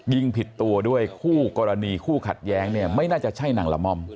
ยิงผิดตัวด้วยคู่กรณีคู่ขัดแย้งเนี่ยไม่น่าจะใช่นางละม่อม